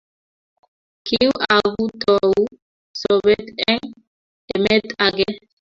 Kiuu akutou sobet eng' emet age.